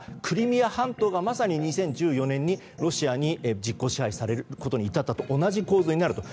クリミア半島がまさに２０１４年にロシアに実効支配されるに至ったと同じ構図になる。